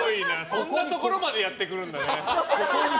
そんなところまでやってくるんだね。